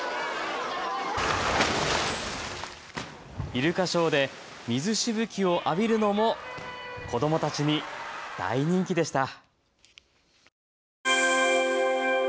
イルカショーで水しぶきを浴びるのも子どもたちに大人気でした。